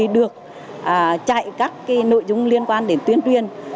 được chạy các nội dung liên quan đến tuyên truyền